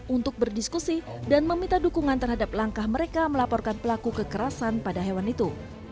untuk berdiskusi dan meminta dukungan terhadap langkah mereka melaporkan pelaku kekerasan pada hewan itu